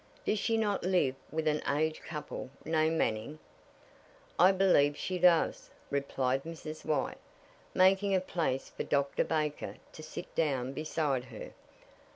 "Does she not live with an aged couple named Manning?" "I believe she does," replied Mrs. White, making a place for Dr. Baker to sit down beside her.